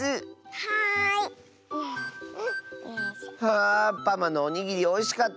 はあパマのおにぎりおいしかった！